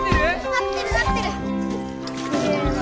なってるなってる！